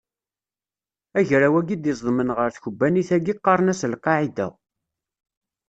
Agraw-agi i d-izedmen ɣer tkebbanit-agi qqaren-asen Al qqaɛida.